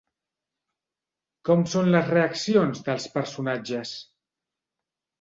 Com són les reaccions dels personatges?